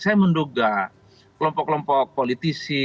saya menduga kelompok kelompok politisi